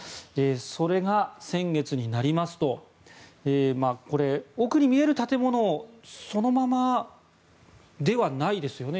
それが、先月になりますと奥に見える建物そのままではないですよね。